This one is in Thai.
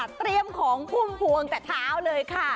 เตรียมของพุ่มพวงแต่เท้าเลยค่ะ